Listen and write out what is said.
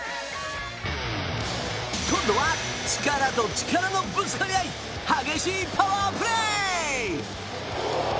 今度は、力と力のぶつかり合い激しいパワープレー！